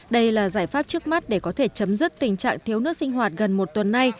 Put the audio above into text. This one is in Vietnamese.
đây là giải pháp trước mắt để có thể chấm dứt tình trạng thiếu nước sinh hoạt gần một tuần nay